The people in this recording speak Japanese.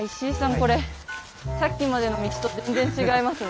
これさっきまでの道と全然違いますね。